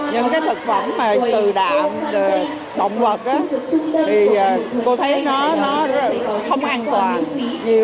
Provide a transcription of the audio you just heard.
những thực phẩm từ động vật thì cô thấy nó không an toàn